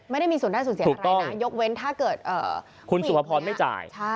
ไม่ได้มีส่วนได้ส่วนเสียอะไรนะยกเว้นถ้าเกิดคุณสุภพรไม่จ่าย